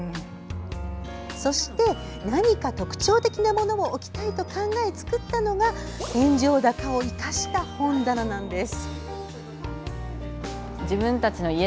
そして、何か特徴的なものを置きたいと考え作ったのが天井高を生かした本棚なんです。